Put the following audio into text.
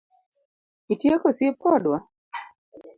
Itieko osiep kodwa?